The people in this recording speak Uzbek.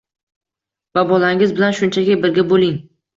va bolangiz bilan shunchaki birga bo‘ling.